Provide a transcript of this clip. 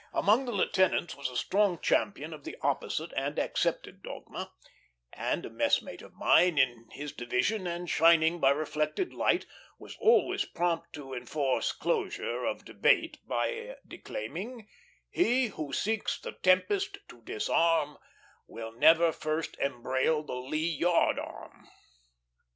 Among the lieutenants was a strong champion of the opposite and accepted dogma, and a messmate of mine, in his division and shining by reflected light, was always prompt to enforce closure of debate by declaiming: "He who seeks the tempest to disarm Will never first embrail the lee yard arm."